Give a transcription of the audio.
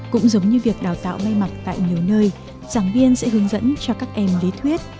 cũng giống như việc đào tạo may mặc tại nhiều nơi giảng viên sẽ hướng dẫn cho các em lý thuyết